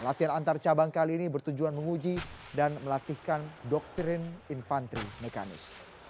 latihan antar cabang kali ini bertujuan menguji dan melatihkan doktrin infanteri mekanis